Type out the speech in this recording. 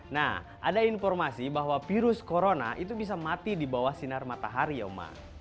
nah ada informasi bahwa virus corona itu bisa mati di bawah sinar matahari ya oma